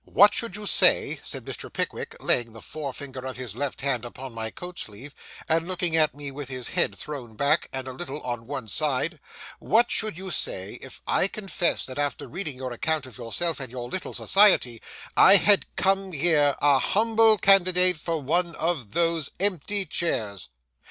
'What should you say,' said Mr. Pickwick, laying the forefinger of his left hand upon my coat sleeve, and looking at me with his head thrown back, and a little on one side,—'what should you say if I confessed that after reading your account of yourself and your little society, I had come here, a humble candidate for one of those empty chairs?